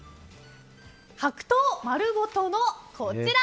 白桃まるごとの、こちら。